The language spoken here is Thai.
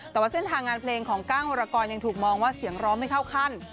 แต่ว่าเส้นทางงานเพลงของก้างวรกรยังถูกมองว่าเสียงร้องไม่เข้าขั้น